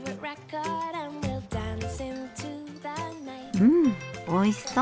うんおいしそう！